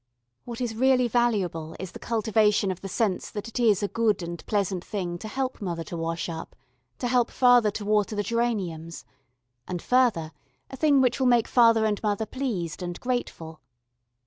What is really valuable is the cultivation of the sense that it is a good and pleasant thing to help mother to wash up, to help father to water the geraniums, and, further, a thing which will make father and mother pleased and grateful.